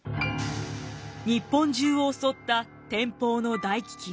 日本中を襲った天保の大飢きん。